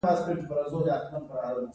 زه مکتب ته نه ځم